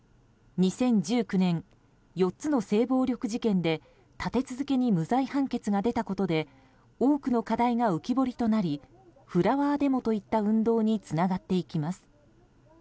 ２０１９年４つの性暴力事件で立て続けに無罪判決が出たことで多くの課題が浮き彫りとなりフラワーデモといった運動につながっていきます。